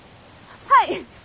はい！